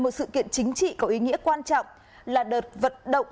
một sự kiện chính trị có ý nghĩa quan trọng là đợt vận động